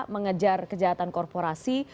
mengejar kejahatan korporasi